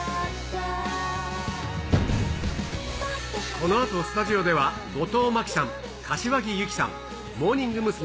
このあと、スタジオでは後藤真希さん、柏木由紀さん、モーニング娘。